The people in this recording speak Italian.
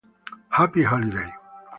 Happy Holiday